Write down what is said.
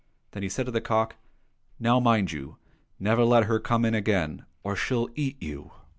Then he said to the cock, " Now, mind you never let her come in again, or she'll eat you."